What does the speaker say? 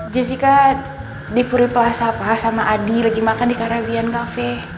jessica di puriplas apa sama adi lagi makan di caribbean cafe